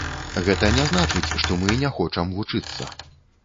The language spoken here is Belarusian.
Гэта не значыць, што мы не хочам вучыцца.